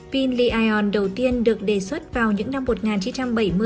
pin li ion đầu tiên được đề xuất vào những năm một nghìn chín trăm bảy mươi